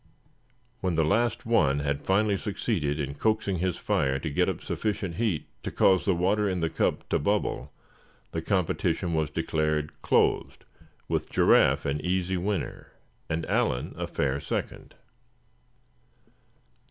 When the last one had finally succeeded in coaxing his fire to get up sufficient heat to cause the water in the cup to bubble, the competition was declared closed, with Giraffe an easy winner, and Allan a fair second.